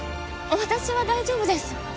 私は大丈夫です